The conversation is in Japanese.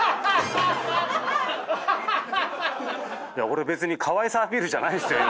俺別にかわいさアピールじゃないっすよ